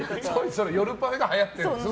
夜パフェが流行ってるんですね。